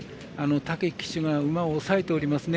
武騎手が馬を抑えていますね。